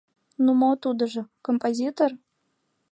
— Ну мо тудыжо... композитор?